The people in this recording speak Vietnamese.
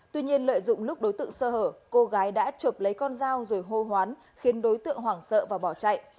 tuy nhiên lợi dụng lúc đối tượng sơ hở cô gái đã chụp lấy con dao rồi hô hoán khiến đối tượng hoảng sợ và bỏ chạy